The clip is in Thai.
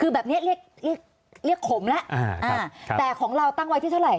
คือแบบนี้เรียกขมละแต่ของเราตั้งไว้ที่เท่าไหร่